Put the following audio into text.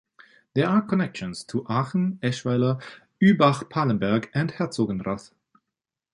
There are connections to Aachen, Eschweiler, Übach-Palenberg and Herzogenrath.